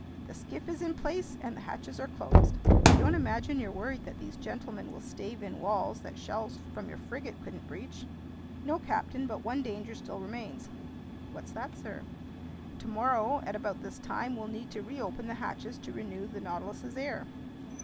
"The skiff is in place and the hatches are closed. I don't imagine you're worried that these gentlemen will stave in walls that shells from your frigate couldn't breach?" "No, captain, but one danger still remains." "What's that, sir?" "Tomorrow at about this time, we'll need to reopen the hatches to renew the Nautilus's air."